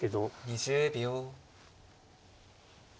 ２０秒。